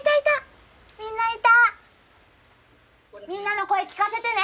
「みんなの声聞かせてね」